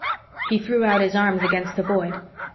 He threw out his arms against the Void.